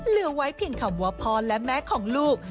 เหลือไว้เพียงคำว่าพ่อและแม่ของลูก